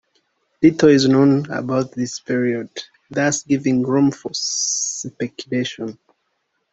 Little is known about this period, thus giving room for speculation.